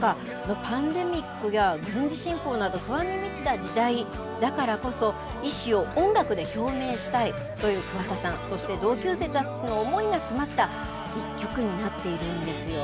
パンデミックや軍事侵攻など、不安に満ちた時代だからこそ、意思を音楽で表明したいという桑田さん、そして、同級生たちの思いが詰まった一曲になっているんですよ。